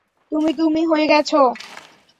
তুমি তুমি হয়ে গেছ!